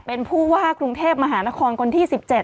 เป็นผู้ว่ากรุงเทพมหานครคนที่๑๗